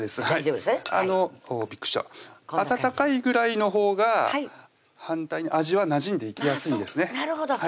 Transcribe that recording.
はい温かいぐらいのほうが反対に味はなじんでいきやすいんですね